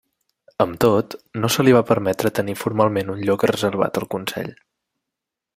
Amb tot, no se li va permetre tenir formalment un lloc reservat al Consell.